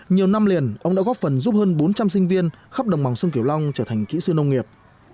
nhiều năm liền ông đã góp phần giúp hơn bốn trăm linh sinh viên khắp đồng bằng sông kiểu long trở thành kỹ sư nông nghiệp